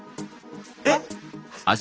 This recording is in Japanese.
えっ！